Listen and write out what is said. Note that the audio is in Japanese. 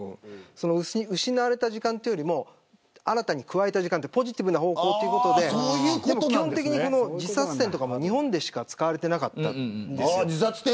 失われた時間というよりも新たに加えた時間というポジティブな方でということで基本的に自殺点とかも日本でしか使われていませんでした。